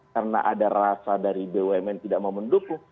karena ada rasa dari bumn tidak mau mendukung